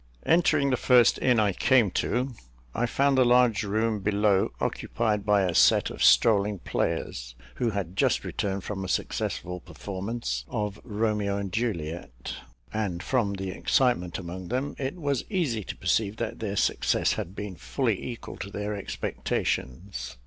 Entering the first inn I came to, I found the large room below occupied by a set of strolling players, who had just returned from a successful performance of "Romeo and Juliet;" and, from the excitement among them, it was easy to perceive that their success had been fully equal to their expectations.